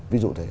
ví dụ thế